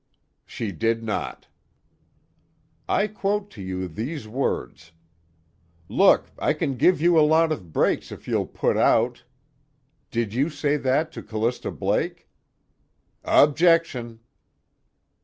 '" "She did not." "I quote to you these words: 'Look, I can give you a lot of breaks if you'll put out.' Did you say that to Callista Blake?" "Objection."